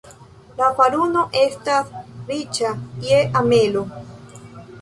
La faruno estas riĉa je amelo.